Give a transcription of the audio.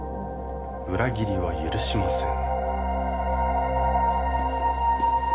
裏切りは許しません